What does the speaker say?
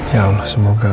ya allah semoga